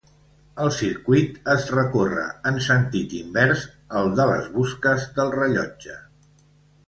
El circuit es recorre en sentit invers al de les busques del rellotge.